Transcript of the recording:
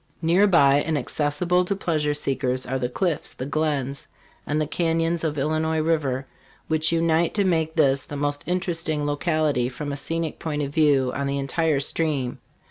Near by, and accessible to pleasure seekers, are the cliffs, the glens and the canyons of Illinois river, which unite to make this the most interesting locality from a scenic point of view on the entire stream.